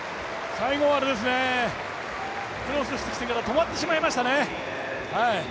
最後はクロスしてから止まってしまいましたね。